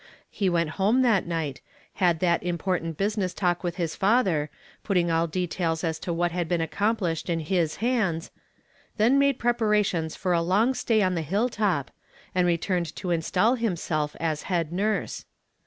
He went liome tliat night, luul that impor tant business talk with his father, putting all de tails as to what had been accomplished in his liands, then mad% preparations for a long stay on the hilltop, and returned to install himself as head nurse.